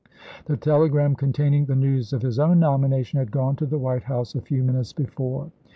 The telegram containing the news of his own nomination had gone to the White House a few minutes before.